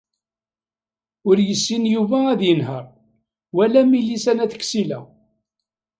Ur yessin Yuba ad yenheṛ, wala Milisa n At Ksila.